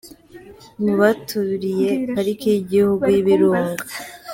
mu baturiye Pariki y’Igihugu yIbirunga.